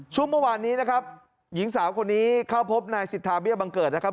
ช่วงเมื่อวานนี้นะครับหญิงสาวคนนี้เข้าพบนายสิทธาเบี้ยบังเกิดนะครับ